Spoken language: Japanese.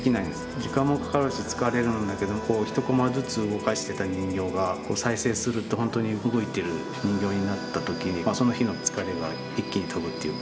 時間もかかるし疲れるんだけど１コマずつ動かしてた人形が再生すると本当に動いてる人形になった時にその日の疲れが一気に飛ぶっていうか。